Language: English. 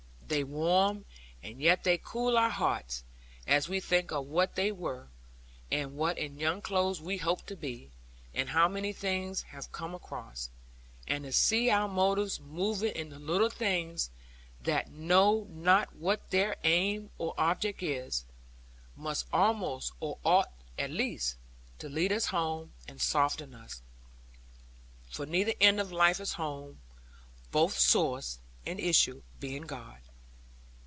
They warm, and yet they cool our hearts, as we think of what we were, and what in young clothes we hoped to be; and how many things have come across. And to see our motives moving in the little things that know not what their aim or object is, must almost or ought at least, to lead us home, and soften us. For either end of life is home; both source and issue being God.